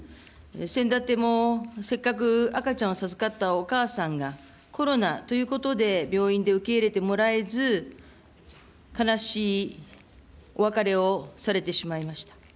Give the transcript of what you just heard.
せんだっても、せっかく赤ちゃんを授かったお母さんが、コロナということで、病院で受け入れてもらえず、悲しいお別れをされてしまいました。